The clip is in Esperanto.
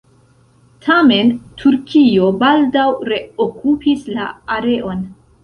Tamen, Turkio baldaŭ reokupis la areon.